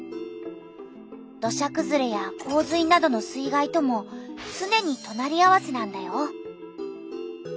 土砂くずれや洪水などの水害ともつねにとなり合わせなんだよ。